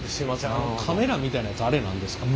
あのカメラみたいなやつあれ何ですか？